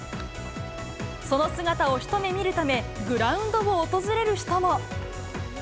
その姿を一目見るため、グラウンドを訪れる人も。